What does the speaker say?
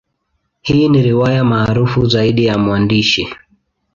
Hii ni riwaya maarufu zaidi ya mwandishi.